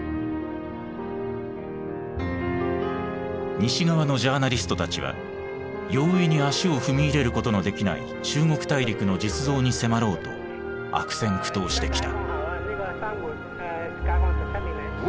西側のジャーナリストたちは容易に足を踏み入れることのできない中国大陸の実像に迫ろうと悪戦苦闘してきた。